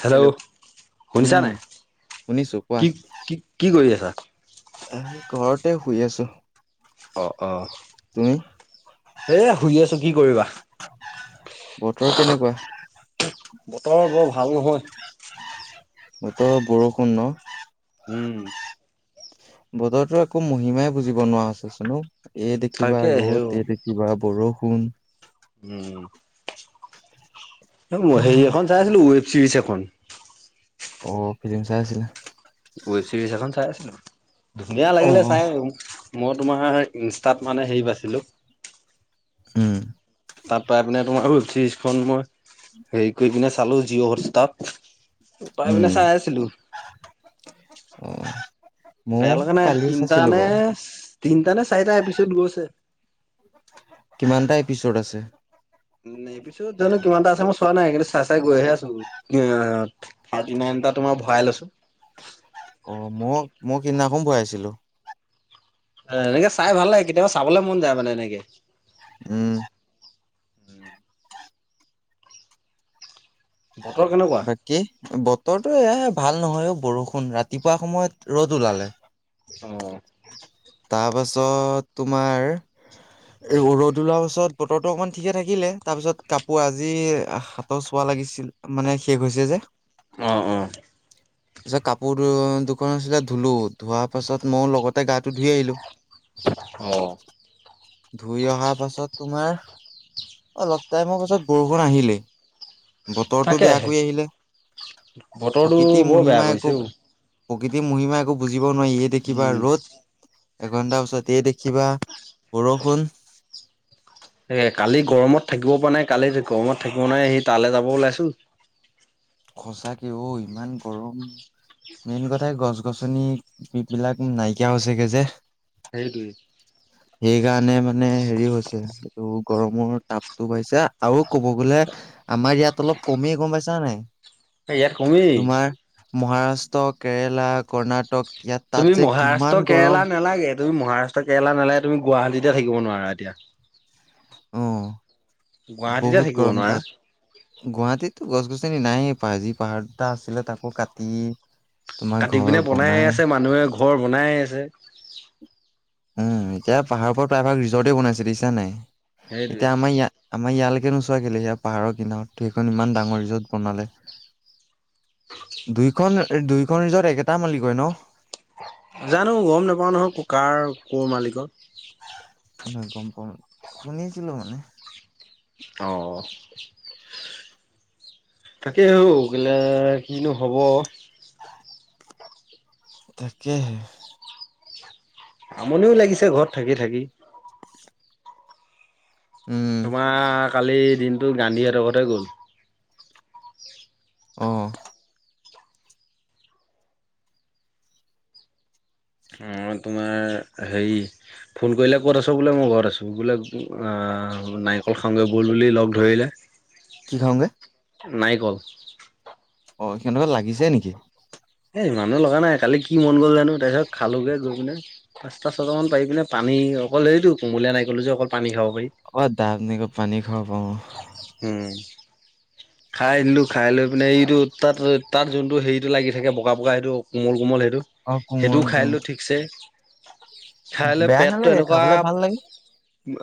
Hello শুনিছা উম নাই? শুনিছো কি, কি, কি, কৰি আছা। আহ' ঘৰতে শুই আছো। অ', অ' তুমি সেই শুই আছো কি কৰিবা। বতৰ কেনেকুৱা? বতৰ বৰ ভাল নহয়। বতৰৰ বৰষুণ ন। উম'। বতৰটোৰ একো মহিমাই বুজিব নোৱাৰা হৈছে চোন অ'। এই দেখিবা তাকে হে ৰ'দ, এই দেখিবা বৰষুণ। উম'। ম হেৰি এখন চাই আছিলো ৱেব চিৰিজ এখন। অ' ফিলিম চাই আছিলা। চিৰিজ এখন চাই আছিলো ধুনীয়া অ লাগিলে চাই। মই তোমাৰ ইনষ্টাত মানে হেৰি পাইছিলোঁ। উম তাত পাই পিনে তোমাৰ ৱেব চিৰিজ খন মই হেৰি কৰি পিনে চালো, জিঅ' হটষ্টাৰ্ট। পাই উম পিনে চাই আছিলো। অ'। ময়ো বেয়া লগা নাই কালি তিনটা চাইছিলো নে, বাৰু তিনটা নে চাৰিটা এপিষদ পিছত গৈছে। কিমানটা এপিষদ আছে? এপিষদ জানো কিমান এটা আছে মই চোৱা নাই, কিন্তু চাই চাই গৈহে আছো অহ থিৰ্তী নাইন। অ' তোমাৰ ভৰাই লৈছো। অ'। মই, মই সেইদিনাখন ভৰাইছিলো। এনেকে চাই ভাল লাগে, কেতিয়াবা চাবলে মন যায় মানে এনেকে। উম'। উম'। বতৰ কেনেকুৱা বাকী ব তৰটো এয়া হে ভাল নহয় অ' বৰষুণ। ৰাতিপুৱা সময়ত ৰ'দ ওলালে। অ'। তাৰ পাছত তোমাৰ, ৰ'দ ওলোৱা পাছত বতৰটো অকমান ঠিকে থাকিলে, তাৰপিছত কাপোৰ আজি সাতৰ চোৱা লাগিছিল মানে শেষ হৈছে যে। অ', অ'। তাৰপিছত কাপোৰ দুখন আছিলে, ধুলো ধোৱা পাছত মই লগতে গা ধুই আহিলো। অ ধুই অহা পাছত তোমাৰ অলপ টাইমৰ পাছত বৰষুণ আহিলেই বতৰটো তাকে বেয় কৰি আহিলে বতৰটো প্ৰকৃতিৰ বৰ বেয়া মহিমা কৰিছে একো অ প্ৰকৃতি মহিমা একো বুজিব নোৱাৰিয়ে এই দেখিবা উম ৰ'দ এঘণ্টাৰ পিছত এই দেখিবা কিবা বৰষুণ [unintelligible] কালি গৰমত থাকিব পৰা নাই কালি গৰমত থাকিব নোৱাৰি এই তালৈ যাব ওলাইছো [inaudible] সচাঁকে অ ইমান গৰম মেইন কথাই গছ গছনি বিলাক নাইকিয়া হৈছেগে যে হেইটোৱে। সেইকাৰণে মানে হেৰি হৈছে এইটো গৰমৰ তাপটো বাহিছে আৰু ক'ব গলে আমাৰ ইয়াত অলপ কমে গম পাইছা নে নাই ইয়াত কমে। তোমাৰ মহাৰাষ্ট্ৰ কেৰেলা কৰ্ণাটক ইয়াত তাত তুমি যে কিমান মহাৰাষ্ট্ৰ কেৰেলা গৰম নালাগে তুমি মহাৰাষ্ট্ৰ কেৰেলা নালাগে তুমি গুৱাহাটীতে থাকিব নোৱাৰা এতিয়া অ'। গুৱাহাটীতে বহুত থাকিব গৰম নোৱাৰা। তাত গুৱাহাটীততো গছ গছনি নাইে প্ৰায় যি পাহাৰত এটা আছিলে তাকো কাটি তোমাৰ কাটি ঘৰ পিনে বনাইে বনাই আছে মানুহে ঘৰ বনায়ে আছে উম, এতিয়া পাহাৰৰ ওপৰত প্ৰায়ভাগ ৰিজৰ্টে বনাইছে দেখিছা নে নাই সেইটোৱে। এতিয়া আমাৰ ইয়াৰ আমাৰ ইয়ালৈকে ইয়াত নোচোৱা কেলে সেয়া পাহাৰৰ কিনাৰত সেইখন ইমান ডাঙৰ ৰিজৰ্ট বনালে। দুইখন দুইখন ৰিজৰ্ট একেটা মালিকৰে ন? জানো গম নেপাও নহয় কাৰ ক'ৰ মালিকৰ। নহয় গম [unintelligible] শুনিছিলো মানে। অ'। তাকেই ও গলে কিনো হ'ব। তাকেইহে। আমনিও লাগিছে ঘৰত থাকি থাকি। উম তোমাৰ কালি দিনটো গান্ধীহঁতৰ ঘৰতে গ'ল। অ'। অ'। তোমাৰ হেৰি ফোন কৰিলে ক'ত আছ বোলে মই ঘৰত আছো বোলে অ' আ নাৰিকল খাংগেবল বুলি লগ ধৰিলে। কি খাওঁগে? নাৰিকল। অ', সিহঁতৰ ঘৰত লাগিছে নেকি? এই ইমানো লগা নাই কালি কি মন গ'ল জানো তাৰপিছত খালোগৈ গৈ পিনে পাঁচটা ছটামান পাৰি পিনে পানী অকল এইটো কুমলীয়া নাইকল টো যে অকল পানী খাওঁ অ', ডাব নাৰিকল পানী খাব পাওঁ। [inaudible] খাই দিলো খাই লৈ পিনে এইটো তাত তাত যোনটো হেৰিটো লাগি থাকে বগা বগা সেইটো কোমল কোমল সেইটো অ সেইটোও কোমলটো খাইদিলো ঠিকছে। খাই লৈ বেয়া পেটটো নালাগে এনেকুৱা খাবলে ভাল লাগে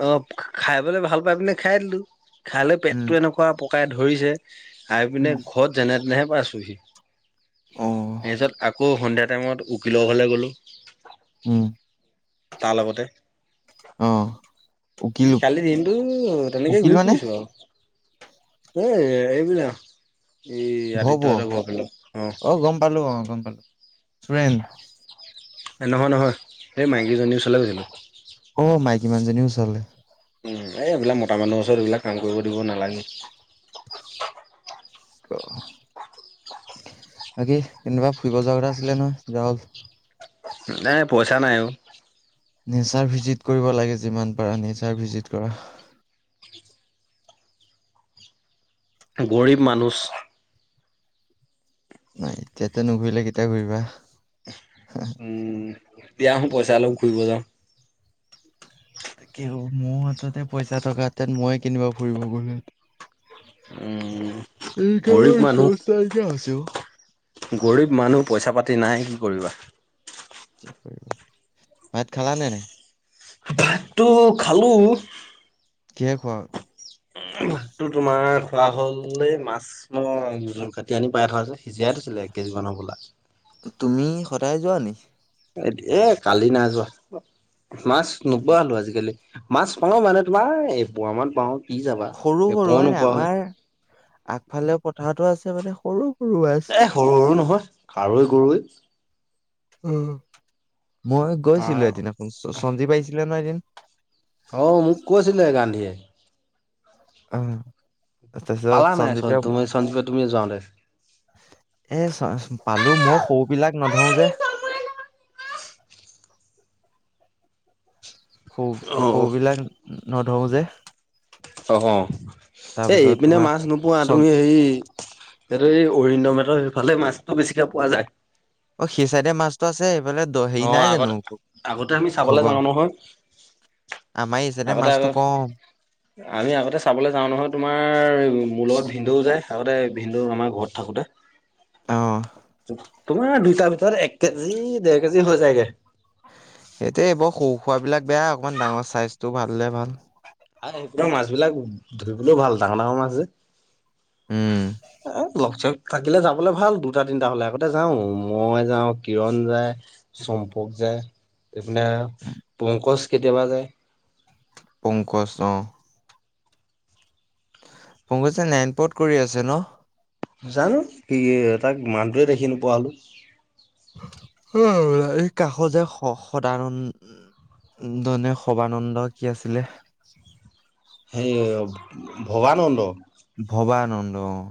অ', খাই বলে ভাল পাই পিনে খাই দিলো খাইে উম পেতটো এনেকুৱা পকাই ধৰিছে খাই পিনে উম ঘৰত যেনে তেনেহে পাইছোহি। অ [unintelligible] আকৌ সন্ধিয়া টাইমত উকিলৰ ঘৰলে গ'লোঁ। উম তাৰ লগতে। অ'। উকিল কালি দিনটো তেনেকে উকিল ঘূৰি মানে ফুৰিছো আৰু। এ এইবিলাক এই ভব আদিত্য হতঁৰ ঘৰৰ ফালে অ'। ফ্ৰেন্ড নহয় -নহয়, এই মাইকী জনীৰ ওচৰলে গৈছিলোঁ। অ, মাইকী মানুহজনীৰ ওচলে। উম, এই এইবিলাক মতা মানুহৰ ওচৰত এইবিলাক কাম কৰিব দিব নালাগে। অ'। বাকি কেনিবা ফুৰিব যোৱাৰ কথা আছিলে নহয় যোৱা হ'ল? নাই পইচা নাই। [unintelligible] নেচাৰ ভিজিট কৰিব লাগে যিমান পাৰা নেচাৰ ভিজিট কৰা। গৰীব মানুচ। নাই, এতিয়াতে নুঘুৰিলে কেতিয়া ঘূৰিবা? উম, এতিয়া আহোঁ পইচা অলপ ফুৰিব যাওঁ। তাকে মোৰ হাততে পইচা থকা হেতেন, মই এ কেনিবা ফুৰিব গলো উম গৰীব মানুহ হে [unintelligible] গৰীব মানুহ পইচা পাতি নাই কি কৰিবা। কি ভাত খালা নে নাই? ভাতটো খালো। কিহে খোৱা? ভাতটো তোমাৰ খোৱা হলে, এই মাছ মই কাটি আনি পাই থোৱা, সিজাই [unintelligible] এক কেজি মন হবলা। তুমি সদায় যোৱা নি? এ কালি নাই যোৱা, মাছ নোপোৱা হলো আজিকালি। মাছ পাওঁ মানে তোমাৰ, এপোৱা মান পাওঁ। কি যাবা। সৰু সৰু এপোৱাও হয়নে, নোপোৱা হ'ল আমাৰ আগফালে পথাৰতো আছে মানে সৰু সৰু মাছ এ সৰু সৰু নহয়, খাৰৈ, গৰুৱৈ। মই অ গৈছিলো এদিন, সঞ্জীৱ আহিছিলে নহয় এদিন। অ', মোক কৈছিলে গান্ধীয়ে। অ'। তাৰপিছত পালা নাই, সঞ্জীৱে তুমি সঞ্জিবে তুমি যাওঁতে। এ, চ পালো, মই সৰু বিলাক নধও যে। [inaudible] সৰু-সৰু অ', বিলাক নধৰো যে। অ', তাৰপিছত এ-এইপিনে তোমাৰ মাছ নোপোৱা চন তুমি, হেৰি এইটো এই অৰিন্দম হঁতৰ সেইফালে মাছটো বেছিকে পোৱা যায়। অ', সেই চাইডে মাছটো আছে। দ' হেৰি অ', নাই জানো আগতে আগতে আমি চাবলৈ যাওঁ [unintelligible] নহয় আমাৰ এইচাইডে আগতে মাছটো কম। আমি আগতে চাবলৈ যাওঁ নহয়, তোমাৰ মোৰ লগত ভিনদউ যায়। আগতে ভিনদেউ আমাৰ ঘৰত থাকোঁতে। অ'। তোমাৰ দুইটাৰ ভিতৰত এক কেজি, দেৰ কেজি হৈ যায়গে। এতিয়া এইবোৰ সৰু সোৰা বিলাক বেয়া অকমান ডাঙৰ চাইজটো ভাল হ'লে ভাল। আৰু মাছ বিলাক ধৰিবলৈয়ো ভাল ডাঙৰ, ডাঙৰ মাছ যে। উম [unintelligible] থাকিলে যাবলৈ ভাল, দুটা, তিনটা হ'লে আগতে যাওঁ। মই যাওঁ, কিৰণ যায়, চম্পক যা এইপিনে পংকজ কেতিয়াবা যায়। পংকজ অ'। পংকজে নাৰায়ণপুৰত কৰি আছে ন? জানো? কি, তাক মানুটোৱে দেখি নোপোৱা হ'লো। অ', এই কাষৰ যে, স-সদানন [unintelligible] সবানন্দ কি আছিলে। হেই ভবানন্দ। ভবানন্দ অ',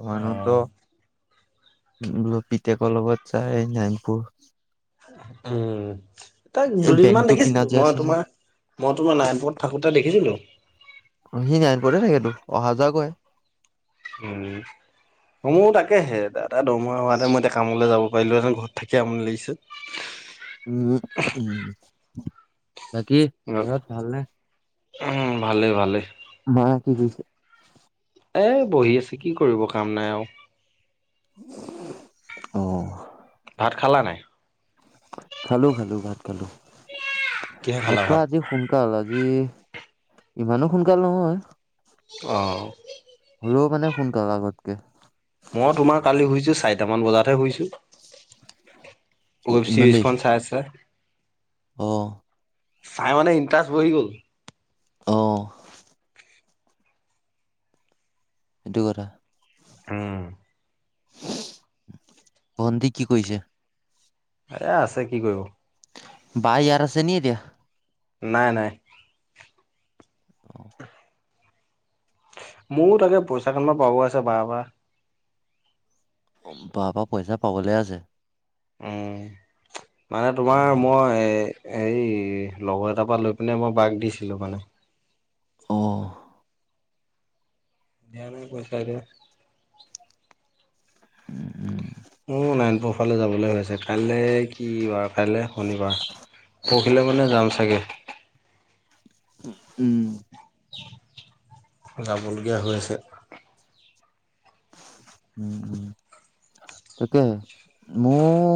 ভৱানন্দ অ', পিতেকৰ লগত যায়, নাৰায়ণপুৰ উম। তাক এই দুদিনমান বেংকটো কিনা দেখিছিলোঁ, যে মই আছে যে তোমাৰ, মই তোমাৰ নাৰায়ণপুৰত থাকোঁতে দেখিছিলোঁ। সি নাৰায়ণপুৰতে থাকেতো, অহা যোৱা কৰে। উম। মোৰ তাকেহে, দাদাৰ দৰমহা হোৱা হেঁতেন মই এতিয়া কামলৈ যাব পাৰিলোহেঁতেন ঘৰত থাকি আমনি লাগিছে। উম, বাকী ঘৰত ভালনে? উম, ভালে, ভালে। মায়ে কি কৰিছে? এ বহি আছে কি কৰিব কাম নাই আৰু। অহ। ভাত খালা নাই? খালোঁ, খালোঁ, ভাত খালোঁ কিহে ভাত খালা খোৱা আজি সোনকাল হ'ল আজি ইমানো সোনকাল নহয়। অ' হলেও মানে সোনকালে আগতকে। মই তোমাৰ কালি শুইছো, চাৰিটামান বজাতহে শুইছো অ' ইমান দেৰি ৱেবছিৰিজখন চাই- চাই। অ' চাই মানে ইণ্টাৰেষ্ট বহি গ'ল। অ' হেতু কথা। উম। ভন্টি কি কৰিছে? এ আছে কি কৰিব। বা ইয়াত আছে নি এতিয়া। নাই- নাই। অহ। মোৰ তাকে পইচাকেইটামান পাব আছে বাৰ পৰা। অ' বাৰ পৰা পইচা পাবলে আছে। উম মানে তোমাৰ অ' মই এ হেৰী লগৰ এটাৰ পৰা লৈ পিনে মই বাক দিছিলো মানে। অ' দিয়াই নাই পইচা এতিয়া। উম -উম মোৰো নাৰায়ণপুৰ ফালে যাবলৈ হৈছে কাইলৈ কি বাৰ। কাইলৈ শনিবাৰ পৰহিলে মানে যাম চাগে। উম, যাবলগীয়া হৈ আছে। উম, তাকে মইও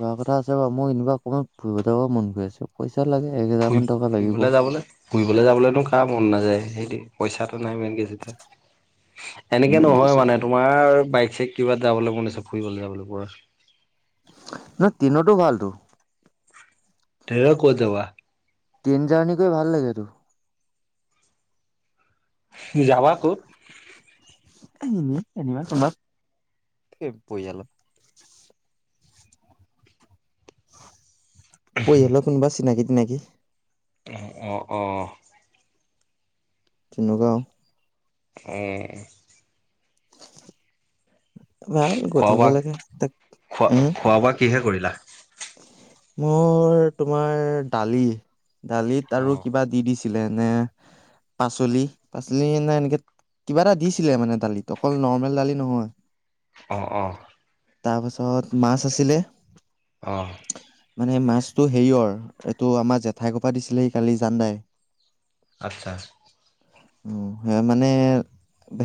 যোৱা কথা আছে বাৰু মই এনেকুৱা অকমান ফুৰিব যাব মন গৈ আছে তাত লাগে এক হেজাৰ ফুৰি মান টকা লাগিব। ফুৰিবলৈ যাবলৈ ফুৰিবলৈ যাবলৈনো কাৰ মন নাযায় সেইয়ে পইচাত- [unintelligible] এনেকে নহয় মানে তোমাৰ বাইক চাইক কিবা যাবলৈ মন আছে ফুৰিবলৈ যাবলৈ কোৱা? ন' ট্ৰিনটো ভালতো। ট্ৰেইনত ক'ত যাবা? ট্ৰেইন জাৰ্ণি কৰি ভাল লাগে তো। [unintelligible] যাবা ক'ত? [unintelligible] পৰিয়াল পৰিয়ালৰ কোনোবা চিনাকি তিনাকি অহ, অ', অ', অ', তেনেকুৱা আও। অ', ভাল গৈ খোৱা থাকিব বোৱা লাগে তাক খোৱা উম, খোৱা বোৱা কিহে কৰিলা? মোৰ তোমাৰ দালি-দালিত অ আৰু কিবা দি দিছ দিলেনে পাচলি-পাচলি এ নে এনেকে কিবা এটা দিছিলে, মানে দালিত অকল নৰ্মেল দালি নহয়। অ', অ'। তাৰপাছত মাছ আছিলে। অ মানে মাছটো হেৰিয়ৰ এইটো আমাৰ জেঠাইৰ। ঘৰৰ পৰা দিছিলেহি কালি জানদাই। আচ্ছা। সেয়া মানে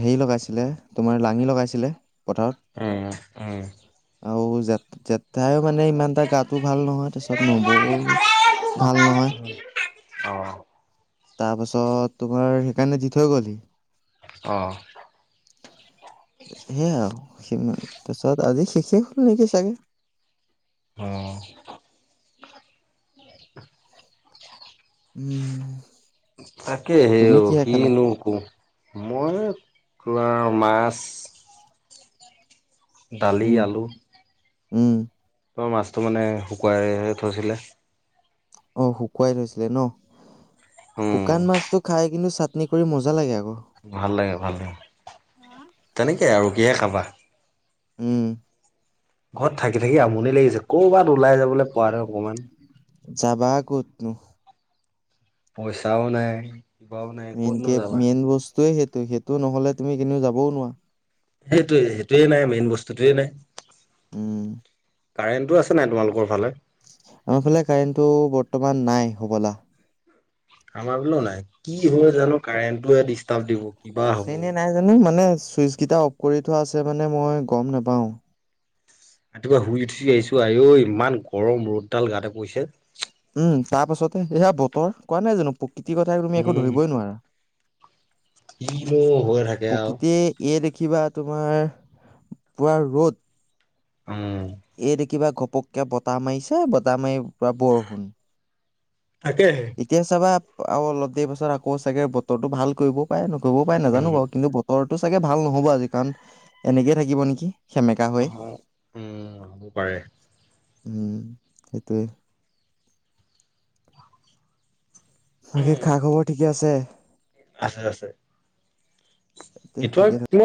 হেৰি লগাইছিলে, তোমাৰ লাঙি লগাইছিলে। উম উম। পথাৰত আৰু জ -জেঠাই মানে ইমানটা গাতো ভাল নহয়। তাৰ পিছত নবৌ ভাল নহয়। অ'। তাৰ পাছত তোমাৰ সেইকাৰণে দি থৈ গ'লহি। অ'। সেইয়া আৰু সিমান পিছত আজি শেষ হ'ল নেকি চাগে। অ'। উ'ম। তাকে হে তুমি অ', কিহে খালা কিনো ক'ম মই মাছ। দালি, উম আলু। উ'ম। ত, মাছটো মানে শুকুৱাই থৈছিলে। অ', শুকুৱাই থৈছিলে ন উম শুকান। মাছতটো খাই কিন্তু চাটনি কৰি মজা লাগে। আৰু। ভাল লাগে, ভাল লাগে। তেনেকে আৰু কিহে খাবা? উ'ম। ঘৰত থাকি -থাকি আমনি লাগিছে। কৰ'বাত ওলাই যাবলৈ পোৱা নাই অকমান। যাবা ক'তনো? পইচাওঁ নাই। কিবাও নাই ক'তনো মেইনকে, যাবা মেইন বস্তুৱে সেইটো সেইটো নহলে, তুমি কেনিও যাবওঁ নোৱাৰা। সেইটোৱে, সেইটোৱে নাই। মেইন বস্তুটোৱে নাই। উ'ম। কাৰেণ্টটো আছে নাই? তোমালোকৰ ফালে। আমাৰ ফালে কাৰেণ্টো বৰ্তমান নাই, হবলা। আমাৰ ফালেও নাই কি হয়? জানো কাৰেণ্টটোে ডিষ্টাৰ্ব দিব। কিবা আছে হ'ব এনে নাই জানো, মানে চুইচ কেইটা অফ কৰি থোৱা আছে, মানে মই গম নোপাওঁ। ৰাতিপুৱা শুই উঠিয়েই আহিছো আ'ঐ! ইমান গৰম ৰ'দডাল গাতে পৰিছে। উম, তাৰ পাছতে সেয়া বতৰ কোৱা নাই জানো। প্ৰকৃতিৰ কথা তুমি একো উম ধৰিবই নোৱাৰা। কিনো হৈ থাকে আৰু প্ৰকৃতিয়ে এই কিবা তোমাৰ পুৰা ৰ'দ উম এই দেখিবা ঘপককে বতাহ মাৰিছে, বতাহ মাৰি পুৰা বৰষুণ। তাকেহে এতিয়া চাবা আৰু অলপ দেৰি পাছত আকৌ চাগে বতৰটো ভাল কৰিবও পাৰে ন কৰিব পাৰে। নাজানো উম বাৰু কিন্তু বতৰটো চাগে ভাল নহ'ব আজি কাৰণ এনেকে থাকিব নেকি। সেমেকা অ হৈ। উম হ'ব পাৰে উ'ম, সেইটোৱে। বাকী উম খা- খবৰ ঠিকে আছে। আছে- আছে। তে এইটো আৰু ঠিকে তোমা